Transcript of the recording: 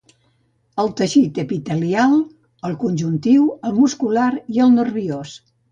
El teixit epitelial, el conjuntiu, el muscular i el nerviós.